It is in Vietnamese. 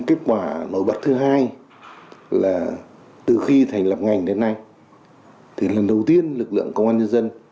kết quả nổi bật thứ hai là từ khi thành lập ngành đến nay thì lần đầu tiên lực lượng công an nhân dân